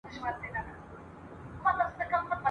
په کتاب کي چي مي هره شپه لوستله !.